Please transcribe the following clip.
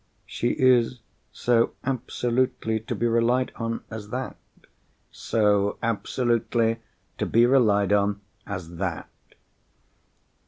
"She is so absolutely to be relied on as that?" "So absolutely to be relied on as that."